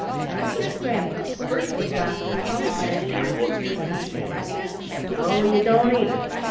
There was a scramble, bursts of laughter, followed by a sharp rebuke from Sandy. "No, you don't either.